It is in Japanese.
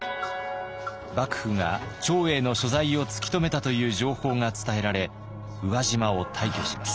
幕府が長英の所在を突き止めたという情報が伝えられ宇和島を退去します。